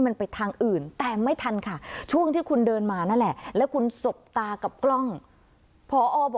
มันแท้แท้นะคะแล้วช่วงที่กรเห็นบ้างส่วน